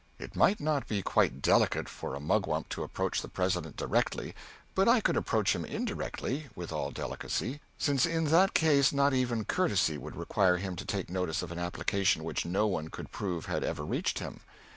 It might not be quite delicate for a mugwump to approach the President directly, but I could approach him indirectly, with all delicacy, since in that case not even courtesy would require him to take notice of an application which no one could prove had ever reached him.